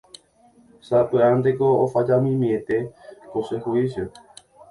sapy'ánteko ofallamimiete ko che juicio